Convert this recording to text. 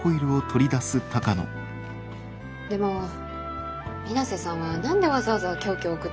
でも水無瀬さんは何でわざわざ凶器を送ってきたんでしょうね。